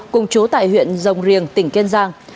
cùng chú tại huyện rồng riềng tỉnh kiên giang